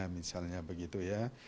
misalnya begitu ya